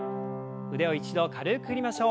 腕を一度軽く振りましょう。